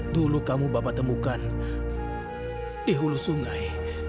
dulu kamu bapak temukan di hulu sungai